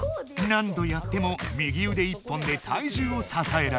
何どやっても右うで一本で体重をささえられない。